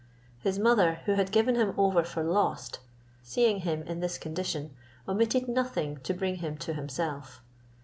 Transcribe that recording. His mother, who had given him over for lost, seeing him in this condition, omitted nothing to bring him to himself.